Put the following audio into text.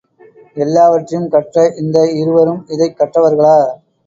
எல்லாவற்றையும் கற்ற இந்த இருவரும் இதைக் கற்றவர்களா?